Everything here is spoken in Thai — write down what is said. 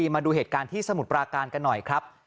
มาดูเหตุการณ์ที่สมุทรปราการกันหน่อยครับ